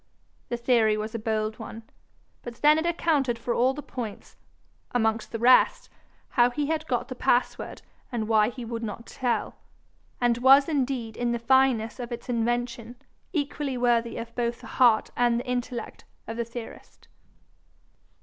The theory was a bold one, but then it accounted for all the points amongst the rest, how he had got the password and why he would not tell and was indeed in the fineness of its invention equally worthy of both the heart and the intellect of the theorist.